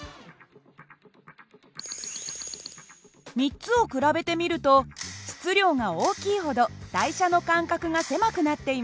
３つを比べてみると質量が大きいほど台車の間隔が狭くなっています。